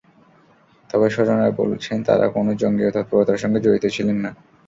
তবে স্বজনেরা বলছেন, তাঁরা কোনো জঙ্গি তৎপরতার সঙ্গে জড়িত ছিলেন না।